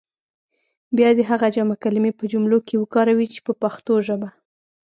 بیا دې هغه جمع کلمې په جملو کې وکاروي په پښتو ژبه.